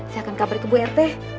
saya akan kabar ke bu rt